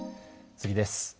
次です。